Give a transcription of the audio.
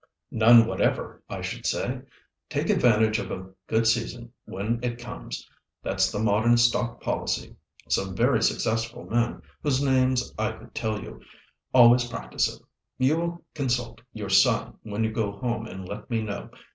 "None whatever, I should say; take advantage of a good season when it comes, that's the modern stock policy. Some very successful men, whose names I could tell you, always practise it. You will consult your son when you go home and let me know.